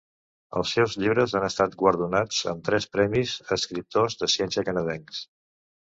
Els seus llibres han estat guardonats amb tres premis Escriptors de ciència canadencs.